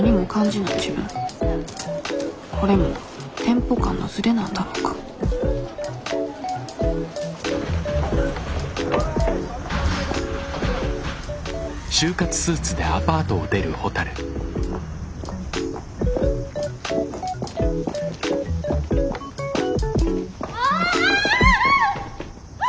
これもテンポ感のズレなんだろうかああ！